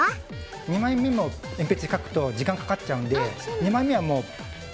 ２枚目も鉛筆でかくと時間かかっちゃうんでえ